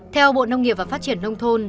theo bộ nông nghiệp và phát triển nông thôn